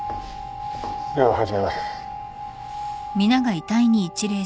では始めます。